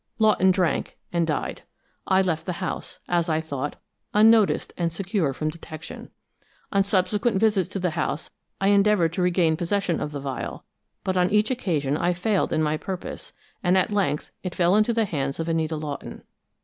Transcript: Lawton drank, and died. I left the house, as I thought, unnoticed and secure from detection. On subsequent visits to the house I endeavored to regain possession of the vial, but on each occasion I failed in my purpose, and at length it fell into the hands of Anita Lawton.